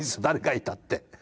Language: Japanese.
誰かいたって。